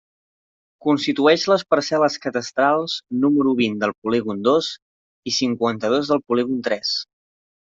Constitueix les parcel·les cadastrals número vint del polígon dos i cinquanta-dos del polígon tres.